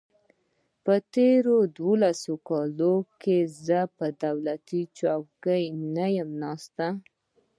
په تېرو دولسو کالو کې زه پر دولتي چوکۍ نه یم ناست.